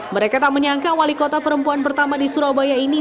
mereka tak menyangka wali kota perempuan pertama di surabaya ini